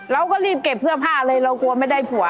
เราก็รีบเก็บเสื้อผ้าเลยเรากลัวไม่ได้ผัว